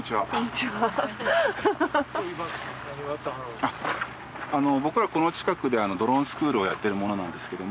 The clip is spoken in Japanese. あっ僕らこの近くでドローンスクールをやってる者なんですけども。